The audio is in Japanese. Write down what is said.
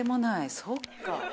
そっか。